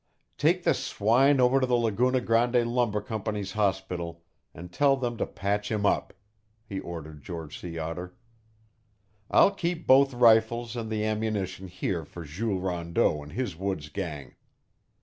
"Take the swine over to the Laguna Grande Lumber Company's hospital and tell them to patch him up," he ordered George Sea Otter. "I'll keep both rifles and the ammunition here for Jules Rondeau and his woods gang.